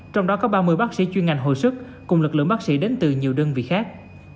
trong đó có ba mươi bác sĩ chuyên ngành hồi sức cùng lực lượng bác sĩ đến từ nhiều đơn vị khác